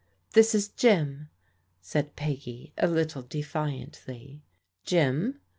" This is Jim," said Peggy a little defiantly. Jim